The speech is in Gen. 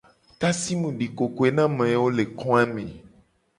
Tasi mu di kokoe na amewo le ko a me.